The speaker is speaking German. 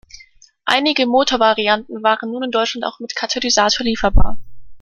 Einige Motorvarianten waren nun in Deutschland auch mit Katalysator lieferbar.